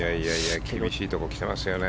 厳しいところにきていますね。